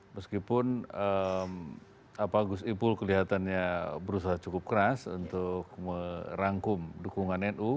meskipun gus ipul kelihatannya berusaha cukup keras untuk merangkum dukungan nu